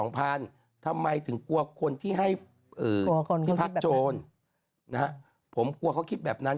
ผมกลัวคนที่ให้เอ่อที่พักโจณนะผมกลัวเขาคิดแบบนั้น